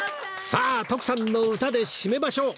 さあ徳さんの歌で締めましょう